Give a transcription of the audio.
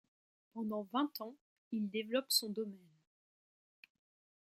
Pendant vingt ans, il développe son domaine.